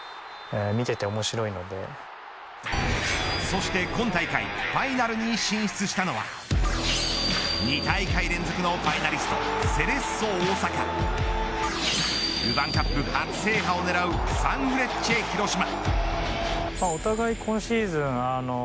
そして今大会ファイナルに進出したのは２大会連続のファイナリストセレッソ大阪ルヴァンカップ初制覇を狙うサンフレッチェ広島。